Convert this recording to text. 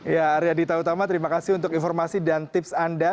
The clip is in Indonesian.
ya arya dita utama terima kasih untuk informasi dan tips anda